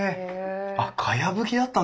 あっかやぶきだったんですね。